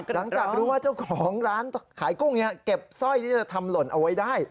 หลังจากรู้ว่าเจ้าของร้านขายกุ้งนี้เก็บสร้อยที่จะทำหล่นเอาไว้ได้